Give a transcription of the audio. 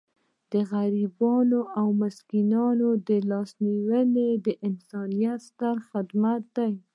د غریبانو او مسکینانو لاسنیوی د انسانیت ستر خدمت دی.